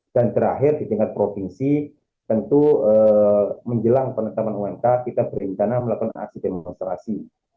dan terakhir di tingkat provinsi tentu menjelang penetapan umk kita berintana melakukan aksi demonstrasi